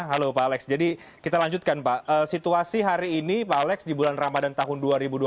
halo pak alex jadi kita lanjutkan pak situasi hari ini pak alex di bulan ramadhan tahun dua ribu dua puluh satu